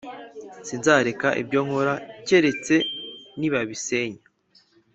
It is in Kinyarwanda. Sinzareka ibyo nkora keretse nibabisenya